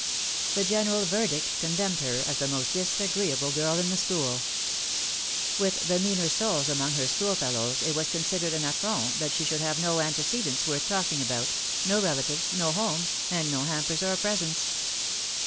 The general verdict condemned her as the most disagreeable girl in the school. With the meaner souls among her schoolfellows it was considered an affront that she t hould have no antecedents worth talking about, no relatives, 110 home, and no hampers or presents.